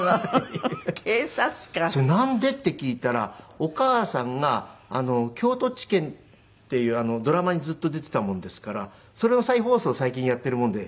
「それなんで？」って聞いたらお母さんが『京都地検』っていうドラマにずっと出ていたもんですからそれの再放送を最近やっているもんで。